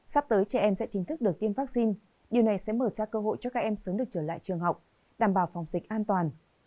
sắp tới trẻ em sẽ chính thức được tiêm vaccine điều này sẽ mở ra cơ hội cho các em sớm được trở lại trường học đảm bảo phòng dịch an toàn